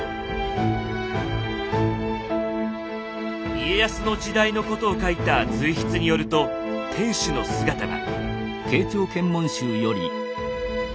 家康の時代のことを書いた随筆によると天守の姿は。